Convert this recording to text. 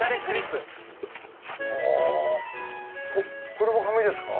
これも紙ですか？